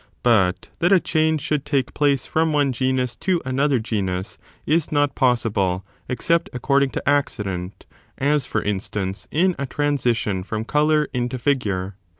But that a change should take place from one genus to another genus is not possible, except according to accident; as, for instance, in a transition from colour into figure.